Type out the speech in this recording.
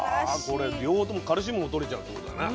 これ両方ともカルシウムもとれちゃうってことだね。